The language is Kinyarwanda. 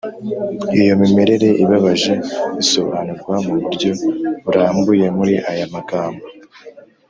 iyo mimerere ibabaje isobanurwa mu buryo burambuye muri aya magambo